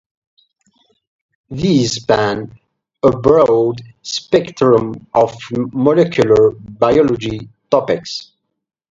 These span a broad spectrum of molecular biology topics.